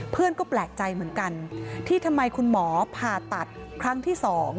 เพื่อนก็แปลกใจเหมือนกันที่ทำไมคุณหมอผ่าตัดครั้งที่๒